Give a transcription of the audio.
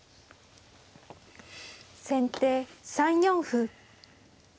先手３四歩。